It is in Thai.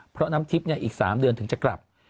เพราะน้ำทิพย์อีก๓เดือนถึงจะกลับ